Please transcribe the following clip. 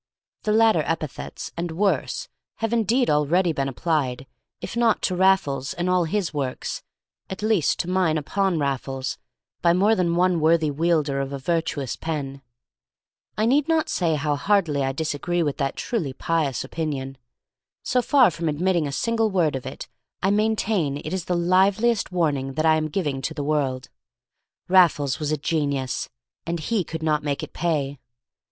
The latter epithets, and worse, have indeed already been applied, if not to Raffles and all his works, at least to mine upon Raffles, by more than one worthy wielder of a virtuous pen. I need not say how heartily I disagree with that truly pious opinion. So far from admitting a single word of it, I maintain it is the liveliest warning that I am giving to the world. Raffles was a genius, and he could not make it pay!